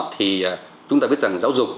thì chúng ta biết rằng giáo dục